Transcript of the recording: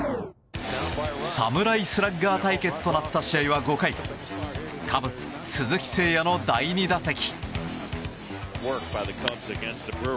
侍スラッガー対決となった試合は５回カブス、鈴木誠也の第２打席。